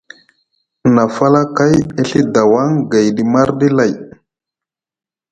Na falakay e Ɵi dawaŋ gayɗi marɗi lay.